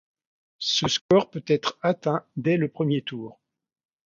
Ce score peut être atteint dès le premier tour.